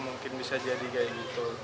mungkin bisa jadi kayak gitu